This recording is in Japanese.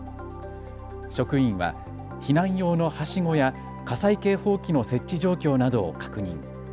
職員は避難用のはしごや火災警報器の設置状況などを確認。